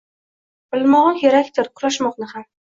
Bilmog’i kerakdir kurashmoqni ham.